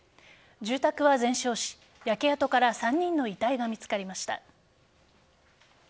住宅は全焼し焼け跡から３人の遺体が見つかりました。